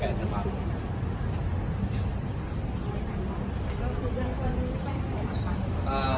ตามไปยังไงนะครับ